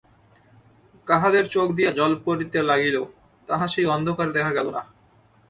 কাহাদের চোখ দিয়া জল পড়িতে লাগিল তাহা সেই অন্ধকারে দেখা গেল না।